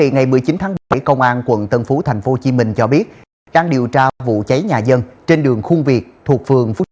ngày một mươi chín tháng bảy công an quận tân phú tp hcm cho biết đang điều tra vụ cháy nhà dân trên đường khuôn việt thuộc phường phúc